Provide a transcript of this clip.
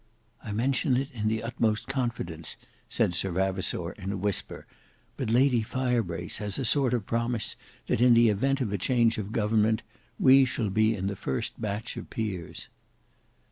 "I mention it in the utmost confidence," said Sir Vavasour in a whisper; "but Lady Firebrace has a sort of promise that in the event of a change of government, we shall be in the first batch of peers."